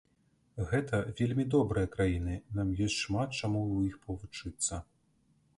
Гэта вельмі добрыя краіны, нам ёсць шмат чаму у іх павучыцца.